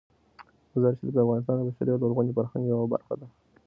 مزارشریف د افغانستان د بشري او لرغوني فرهنګ یوه برخه ده.